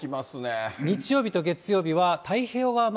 日曜日と月曜日は太平洋側ま